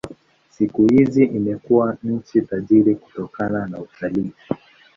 Siku hizi imekuwa nchi tajiri kutokana na utalii.